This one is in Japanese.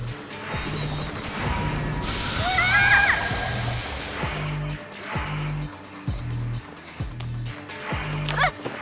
うわ！あっ！